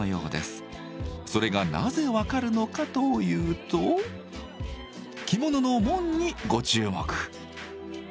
それがなぜ分かるのかというと着物の紋にご注目。